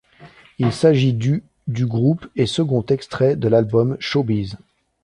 Il s'agit du du groupe et second extrait de l'album Showbiz.